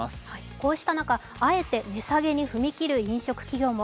こうした中、あえて値下げに踏み切る飲食業も。